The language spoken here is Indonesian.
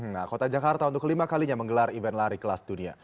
nah kota jakarta untuk kelima kalinya menggelar event lari kelas dunia